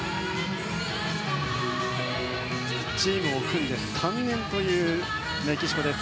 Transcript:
チームを組んで３年というメキシコです。